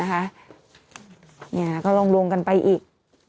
เกือนมาลงอีก